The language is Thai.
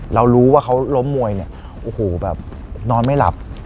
เรารู้ว่าเขาล้มมวยเนี่ยโอ้โหแบบนอนไม่หลับ